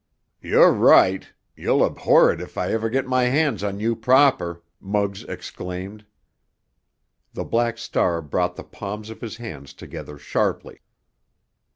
"You're right; you'll abhor it if I ever get my hands on you proper!" Muggs exclaimed. The Black Star brought the palms of his hands together sharply.